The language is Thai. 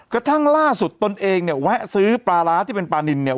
กระทั่งล่าสุดตนเองเนี่ยแวะซื้อปลาร้าที่เป็นปลานินเนี่ย